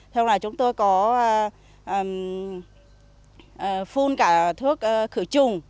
xong là chúng tôi có phun cả thuốc khử trùng